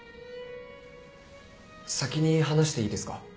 先に話していいですか？